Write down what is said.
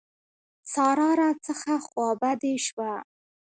سارا راڅخه خوابدې شوه.